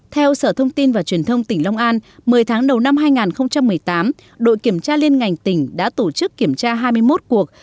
theo sở thông tin và truyền thông tỉnh long an một mươi tháng đầu năm hai nghìn một mươi tám đội kiểm tra liên ngành tỉnh đã tổ chức kiểm tra hai mươi một cuộc